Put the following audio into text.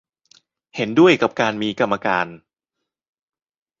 เห็นด้วยกับการมีกรรมการ